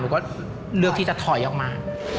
ก็เลือกที่จะถอยออกมา